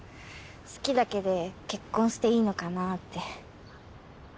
好きだけで結婚していいのかなぁって。